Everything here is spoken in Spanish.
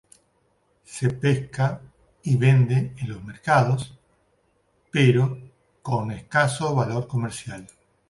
Se pesca y vende en los mercados, pero con escaso valor comercial.